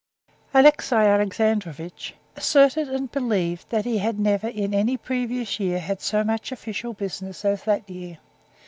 Alexey Alexandrovitch asserted and believed that he had never in any previous year had so much official business as that year.